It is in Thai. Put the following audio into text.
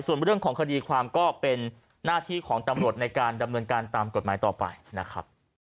ส่วนเรื่องของคดีความก็เป็นหน้าที่ของตำรวจในการดำเนินการตามกฎหมายต่อไปนะครับ